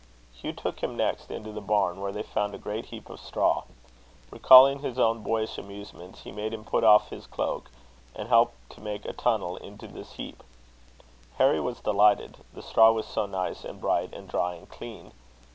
Hugh took him next into the barn, where they found a great heap of straw. Recalling his own boyish amusements, he made him put off his cloak, and help to make a tunnel into this heap. Harry was delighted the straw was so nice, and bright, and dry, and clean.